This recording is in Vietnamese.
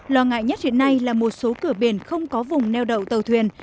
lo ngại nhất hiện nay là một số cửa biển không có vùng neo đậu tàu thuyền